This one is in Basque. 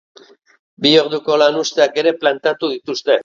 Bi orduko lanuzteak ere planteatu dituzte.